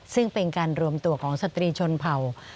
ซึ่งเป็นการรวมตัวของสตรีชนเผ่า